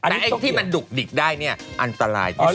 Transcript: แต่ไอ้ที่มันดุกดิกได้อันตราย